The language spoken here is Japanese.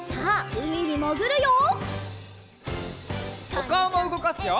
おかおもうごかすよ！